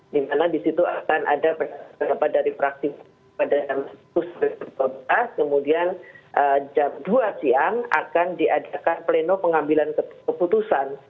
dimana disitu akan ada beberapa dari fraksi pada jam sepuluh kemudian jam dua siang akan diadakan pleno pengambilan keputusan